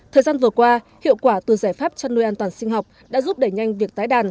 thời gian vừa qua hiệu quả từ giải pháp chăn nuôi an toàn sinh học đã giúp đẩy nhanh việc tái đàn